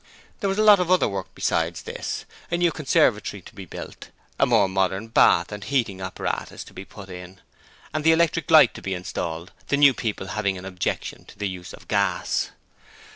There was a lot of other work besides this: a new conservatory to build, a more modern bath and heating apparatus to be put in, and the electric light to be installed, the new people having an objection to the use of gas.